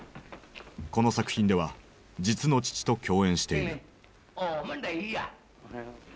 この作品では実の父と共演している。